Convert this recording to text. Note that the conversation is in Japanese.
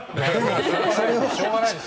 しょうがないです。